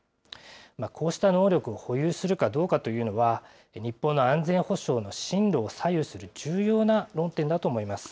こうした能力を保有するかどうかというのは、日本の安全保障の進路を左右する重要な論点だと思います。